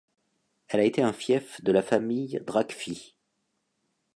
Elle a été un fief de la famille Dragfi.